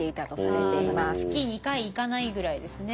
月２回いかないぐらいですね。